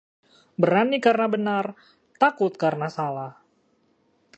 Berani karena benar, takut karena salah